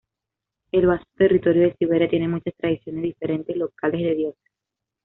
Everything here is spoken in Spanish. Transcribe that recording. El vasto territorio de Siberia tiene muchas tradiciones diferentes locales de dioses.